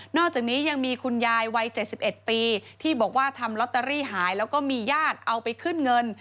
อกจากนี้ยังมีคุณยายวัย๗๑ปีที่บอกว่าทำลอตเตอรี่หายแล้วก็มีญาติเอาไปขึ้นเงิน